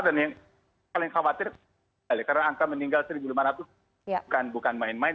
dan yang paling khawatir karena angka meninggal seribu lima ratus bukan main main